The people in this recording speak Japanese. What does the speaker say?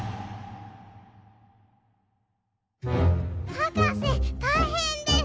はかせたいへんです！